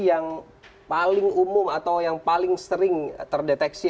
yang paling umum atau yang paling sering terdeteksi